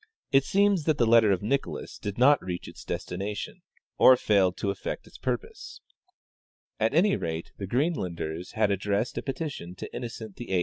It seems that the letter of Nicolas did not reach its destination, or failed to effect its purpose. At any rate, the Greenlanders had addressed a petition to Innocent VIII, 27— Nat. Grog. Mag., vor,. V, 1893. 202 W. E.